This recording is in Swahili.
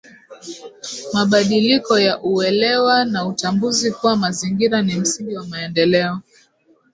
Mabadiliko ya uelewa na utambuzi kuwa mazingira ni msingi wa maendeleo